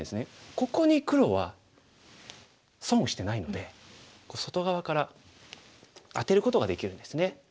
ここに黒は損をしてないので外側からアテることができるんですね。